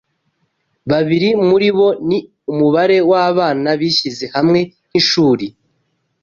Babiri muri bo ni umubare wabana bishyize hamwe nkishuri